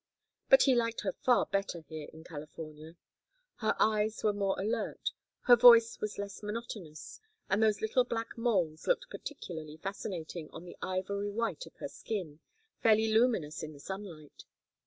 But he liked her far better here in California. Her eyes were more alert, her voice was less monotonous; and those little black moles looked particularly fascinating on the ivory white of her skin, fairly luminous in the sunlight.